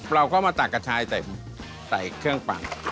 เราก็มาตักกระชายใส่เครื่องปัก